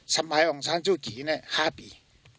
สมัยองศาสนชุกีน่ะ๕ปี